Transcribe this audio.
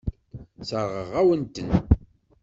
Sseṛɣeɣ-awen-ten.